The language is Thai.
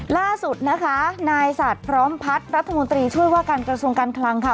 ล่าสุดนะคะนายศาสตร์พร้อมพัฒน์รัฐมนตรีช่วยว่าการกระทรวงการคลังค่ะ